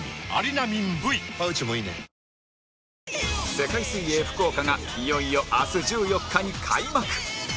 世界水泳福岡がいよいよ明日１４日に開幕